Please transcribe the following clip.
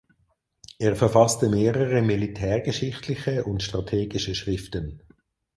Er verfasste mehrere militärgeschichtliche und strategische Schriften.